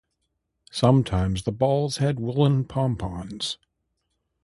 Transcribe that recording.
Sometimes the balls had woolen pompons.